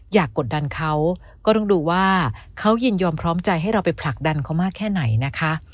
กดดันเขาก็ต้องดูว่าเขายินยอมพร้อมใจให้เราไปผลักดันเขามากแค่ไหนนะคะ